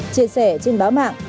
chia sẻ trên báo mạng